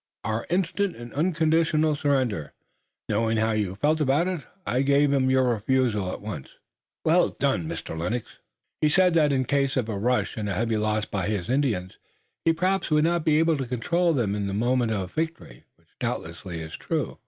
"Our instant and unconditional surrender. Knowing how you felt about it, I gave him your refusal at once." "Well done, Mr. Lennox." "He said that in case of a rush and heavy loss by his Indians he perhaps would not be able to control them in the moment of victory, which doubtless is true."